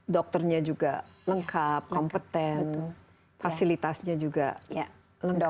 dokternya juga lengkap kompeten fasilitasnya juga lengkap